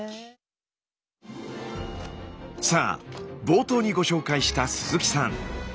さあ冒頭にご紹介した鈴木さん。